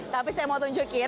tapi saya mau tunjukin